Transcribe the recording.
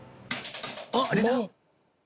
あっあれだ！